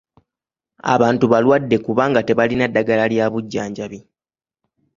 Abantu balwadde kubanga tebalina ddagala lya bujjanjabi